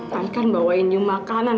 ma kan bawainnya makanan